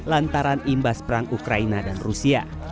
lantaran imbas perang ukraina dan rusia